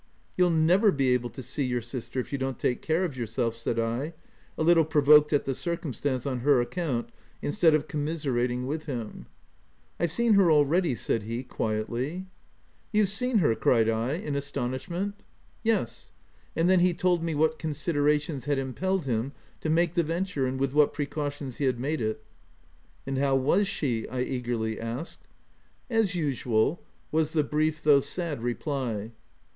" You'll never be able to see your sister, if you don't take care of yourself," said I, a little provoked at the circumstance on her ac count, instead of commiserating him. " I've seen her already, " said he, quietly. OF WILDPELL HALL. 17$ " You've seen her !'' cried I, in astonish ment. ? Yes." And then he told me what con siderations had impelled him to make the venture, and with what precautions he had made it. "And how was she V* I eagerly asked. " As usual," was the brief though sad reply.